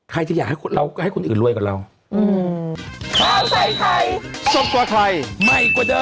ใครจะอยากให้คนอื่นรวยกว่าเรา